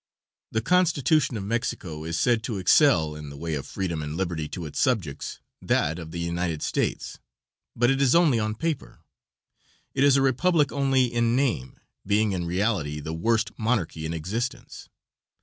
The constitution of Mexico is said to excel, in the way of freedom and liberty to its subjects, that of the United States; but it is only on paper. It is a republic only in name, being in reality the worst monarchy in existence.